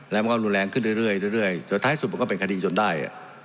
แล้วมันก็รุนแรงขึ้นเรื่อยจนท้ายสุดมันก็เป็นคดีจนได้